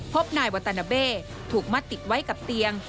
พบนายวาตานาเบ้ถูกมัดติดไว้กับเตียง